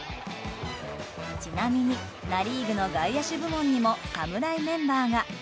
ちなみにナ・リーグの外野手部門にも侍メンバーが。